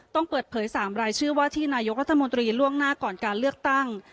ต้องเปิดเผย๓รายชื่อว่าที่นายกรัฐมนตรีล่วงหน้าก่อนการเลือกตั้ง